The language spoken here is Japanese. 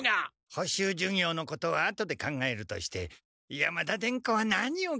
補習授業のことはあとで考えるとして山田伝子は何を着れば？